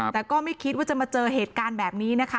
แต่ก็ไม่คิดว่าจะมาเจอเหตุการณ์แบบนี้นะคะ